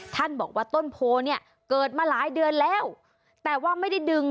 ท่านบอกว่าต้นโพเนี่ยเกิดมาหลายเดือนแล้วแต่ว่าไม่ได้ดึง